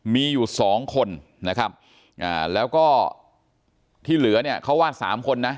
มีอยู่สองคนนะครับแล้วก็ที่เหลือเนี่ยเขาว่าสามคนนะ